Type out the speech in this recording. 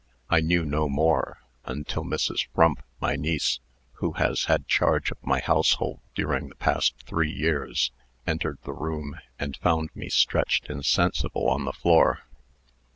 I knew no more, until Mrs. Frump, my niece, who has had charge of my household during the past three years, entered the room, and found me stretched insensible on the floor."